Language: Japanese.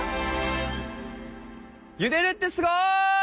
「ゆでる」ってすごい！